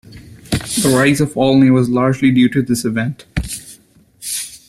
The rise of Aulnay was largely due to this event.